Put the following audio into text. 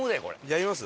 やみます？